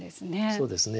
そうですね。